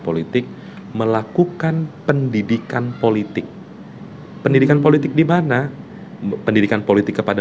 politik melakukan pendidikan politik pendidikan politik dimana pendidikan politik kepada